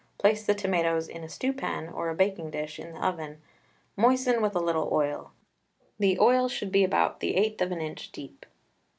Place the tomatoes in a stew pan or a baking dish in the oven, moistened with a little oil. The oil should be about the eighth of an inch deep.